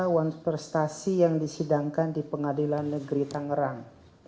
wan prestasi yang disidangkan di pengadilan negeri tangerang